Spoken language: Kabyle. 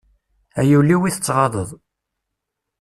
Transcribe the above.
A yul-iw i tettɣaḍeḍ!